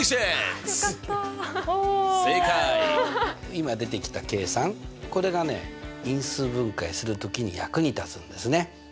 今出てきた計算これがね因数分解する時に役に立つんですね。